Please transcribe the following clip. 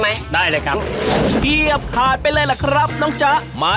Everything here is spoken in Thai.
ไม้เดียวมี๓ปีกก็๔๐บาท